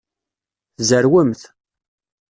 Tzerwemt.